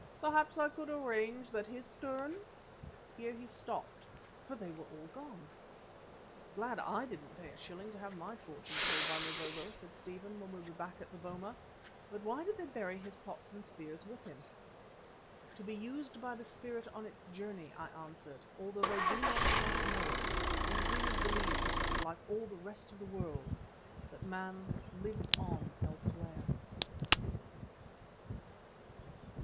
Perhaps I could arrange that his turn " here he stopped, for they were all gone. "Glad I didn't pay a shilling to have my fortune told by Mavovo," said Stephen, when we were back in the boma, "but why did they bury his pots and spears with him?" "To be used by the spirit on its journey," I answered. "Although they do not quite know it, these Zulus believe, like all the rest of the world, that man lives on elsewhere."